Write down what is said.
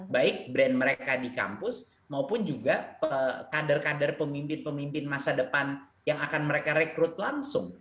baik brand mereka di kampus maupun juga kader kader pemimpin pemimpin masa depan yang akan mereka rekrut langsung